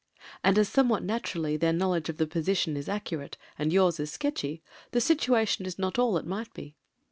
And as somewhat naturally their knowledge of the position is accurate and yours is sketchy, the situation is not all it might be.